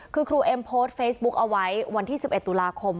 คือครูเอ็มโพสต์เฟซบุ๊กเอาไว้วันที่๑๑ตุลาคม